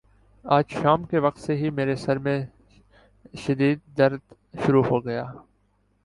آج شام کے وقت سے ہی میرے سر میں شدد درد شروع ہو گیا